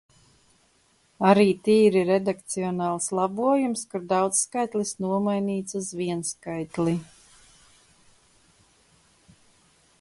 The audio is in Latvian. Arī tīri redakcionāls labojums, kur daudzskaitlis nomainīts uz vienskaitli.